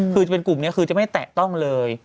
คือจะเป็นกลุ่มนี้คือจะไม่แตะต้องเลย